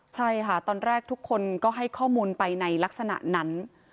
ใช่ค่ะตอนแรกทุกคนก็ให้ข้อมูลไปในลักษณะนั้น